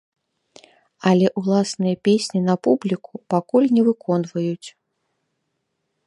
Але ўласныя песні на публіку пакуль не выконваюць.